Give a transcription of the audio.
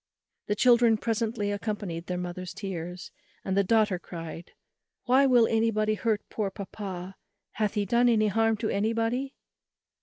The children presently accompanied their mother's tears, and the daughter cried "Why, will anybody hurt poor papa? hath he done any harm to anybody?"